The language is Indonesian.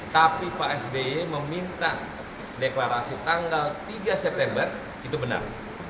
tapi pak sby meminta deklarasi tanggal tiga september itu benar